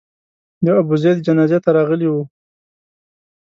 د ابوزید جنازې ته راغلي وو.